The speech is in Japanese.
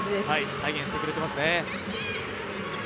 体現してくれていますね。